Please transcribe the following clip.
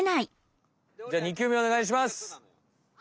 じゃ２球目おねがいします。